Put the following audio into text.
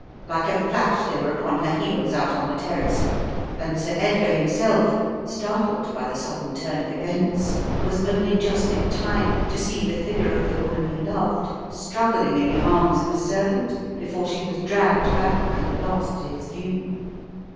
Like a flash they were upon her heels out on the terrace, and Sir Edgar himself, startled by the sudden turn of events, was only just in time to see the figure of the woman he loved struggling in the arms of a servant before she was dragged back and lost to his view.